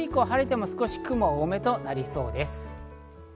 ただ、日曜日以降、晴れても少し雲が多めとなりそうです。